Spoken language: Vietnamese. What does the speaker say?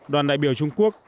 đoàn đại biểu trung quốc